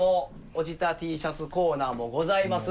おじたＴシャツコーナーもございます。